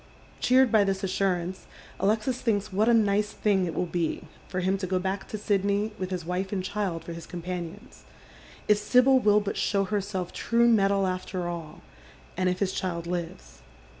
Cheered by this assurance, Alexis thinks what a nice thing it v>'ill be for him to go buck to Sidney with his wife and child for his companions, if Sibyl will but show herself true metal after all, and if his child lives.